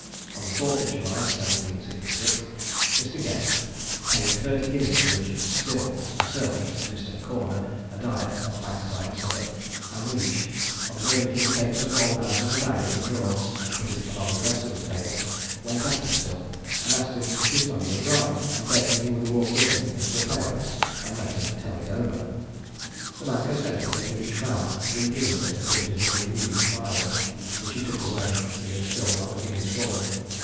On the 4th of July 1766, Mr. Guest paid thirty guineas to Richard Still, a servant to Mr. Corner, a dyer, at Bankside, Southwark; and Leach observing him take some gold out of a bag in the drawer, and put it among the rest on the table, went after Still, asked him if his money was right, and begged he would walk with him into the Pay office, and let him tell it over. The man consented, and Leach found three guineas that appeared to have been newly filed, which he took away, giving Still other guineas for them.